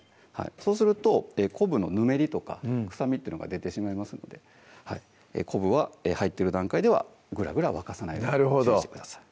そうすると昆布のぬめりとか臭みっていうのが出てしまうので昆布は入ってる段階ではグラグラ沸かさないよう注意してください